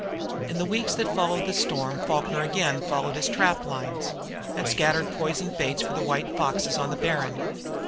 In the weeks that followed the storm Falkner again followed his trap lines, and scattered poison baits for the white foxes on the Barren.